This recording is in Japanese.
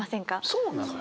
そうなのよ！